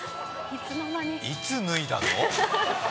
いつ脱いだの？